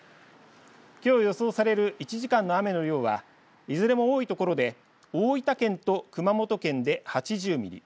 きょう予想される１時間の雨の量はいずれも多い所で大分県と熊本県で８０ミリ